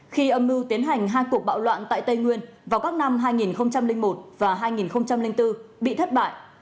khi âm mưu tiến hành hai cuộc bạo loạn tại tây nguyên vào các năm hai nghìn một và hai nghìn bốn bị thất bại